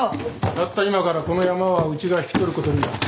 たった今からこのヤマはうちが引き取ることになった。